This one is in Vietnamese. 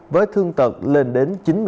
với thương tật lên đến chín mươi chín